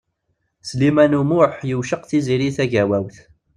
Sliman U Muḥ yewceq Tiziri Tagawawt.